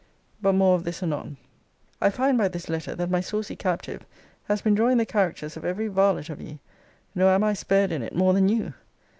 But more of this anon. I find by this letter, that my saucy captive has been drawing the characters of every varlet of ye. Nor am I spared in it more than you.